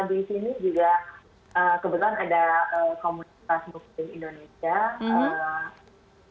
di sini juga kebetulan ada komunitas muslim indonesia